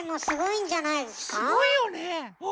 すごいよね。